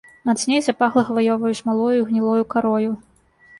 Мацней запахла хваёваю смалою і гнілою карою.